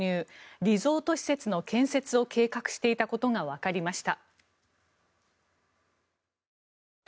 リゾート施設の建設を計画していたことがわかりました。